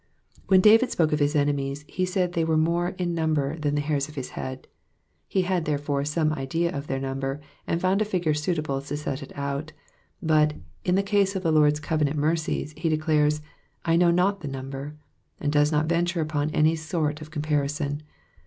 When David spoke of his enemies, he said they were more in number than the hairs of his head ; he had, therefore, some idea of their number, and found a figtire suitable to set it out ; but, in the case of the Lord's covenant mercies, he declares, " I know not the number," and does not venture upon any sort of comparison.